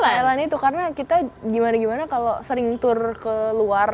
nggak jalan itu karena kita gimana gimana kalau sering tour ke luar